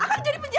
aku jadi penjahat